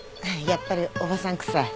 やっぱりおばさんくさい？